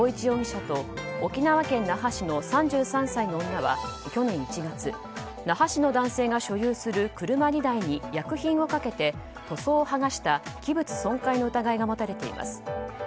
容疑者と沖縄県那覇市の３３歳の女は去年１月那覇市の男性が所有する車２台に薬品をかけて塗装を剥がした器物損壊の疑いが持たれています。